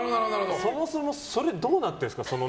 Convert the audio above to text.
そもそも、それどうなっているんですか。